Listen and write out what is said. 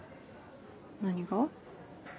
何が？